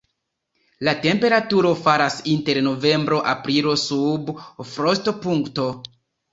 La temperaturo falas inter novembro-aprilo sub frostopunkto.